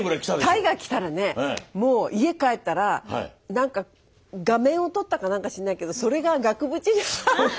大河来たらねもう家帰ったらなんか画面を撮ったかなんか知んないけどそれが額縁に貼ってあって。